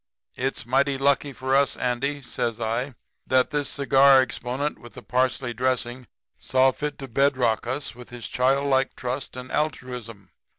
"'It's mighty lucky for us, Andy,' says I, 'that this cigar exponent with the parsley dressing saw fit to bedeck us with his childlike trust and altruism.